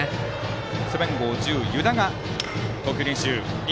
背番号１０湯田が投球練習。